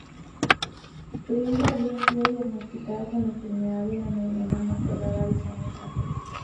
Pretty había sido diagnosticada con la enfermedad de la neurona motora varios años antes.